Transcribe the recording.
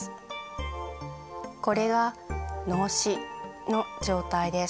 これが脳死の状態です。